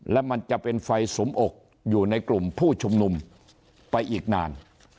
และมันจะเป็นไฟสุมอกอยู่ในกลุ่มผู้ชุมนุมไปอีกนาน